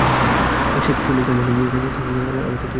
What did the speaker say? সে নিত্য আমার তত্ত্ব লইতে পাঠায়, তাহাকে আমি ভয় করি না।